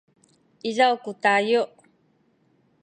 izaw ku tayu